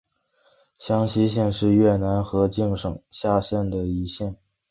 香溪县是越南河静省下辖的一县。